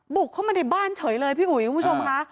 บุกเข้ามาในบ้านเฉยเลยพี่อุ๋ยคุณผู้ชมค่ะ